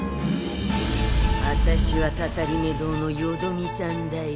あたしはたたりめ堂のよどみさんだよ。